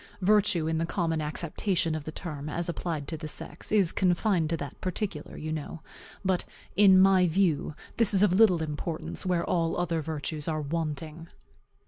Virtue, in the common acceptation of the term, as applied to the sex, is confined to that particular, you know. But in my view, this is of little importance where all other virtues are wanting.